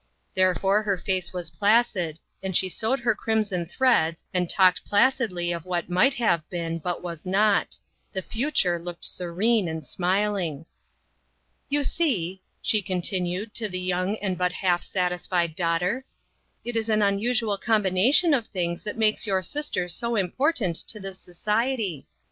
Therefore her face was placid, and she sewed her crimson threads and talked placidly of what might have been, but was not; the future looked secure and smiling. "You see," she continued to the young and but half satisfied daughter, "it is an unusual combination of things that makes your sister so important to this society.